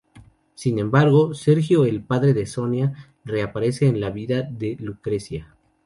Sin embargo, Sergio el padre de Sonia, reaparece en la vida de Lucrecia.